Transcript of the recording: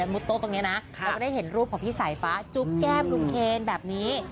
มุดโต๊ะตรงนี้นะเราก็ได้เห็นรูปของพี่สายฟ้าจุ๊บแก้มลุงเคนแบบนี้